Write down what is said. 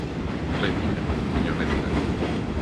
Réplica, señor Néciga.